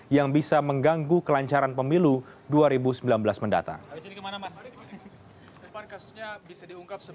yang bisa mengganggu kelancaran pemilu dua ribu sembilan belas mendatang